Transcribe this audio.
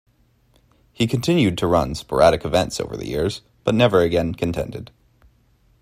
He continued to run sporadic events over the years but never again contended.